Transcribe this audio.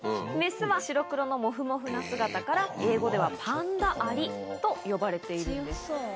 雌は白黒のもふもふな姿から、英語ではパンダアリと呼ばれているんです。